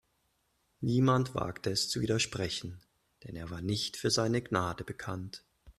Niemand wagte es zu widersprechen, denn er war nicht für seine Gnade bekannt.